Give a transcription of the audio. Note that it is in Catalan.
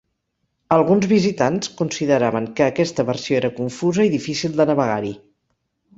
Alguns visitants consideraven que aquesta versió era confusa i difícil de navegar-hi.